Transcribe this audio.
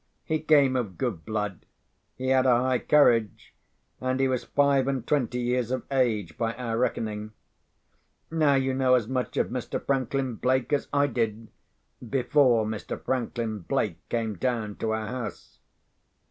He came of good blood; he had a high courage; and he was five and twenty years of age, by our reckoning. Now you know as much of Mr. Franklin Blake as I did—before Mr. Franklin Blake came down to our house.